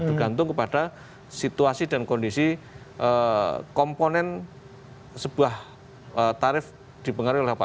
bergantung kepada situasi dan kondisi komponen sebuah tarif dipengaruhi oleh apa